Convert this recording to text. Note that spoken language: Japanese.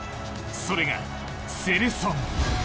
それがセレソン。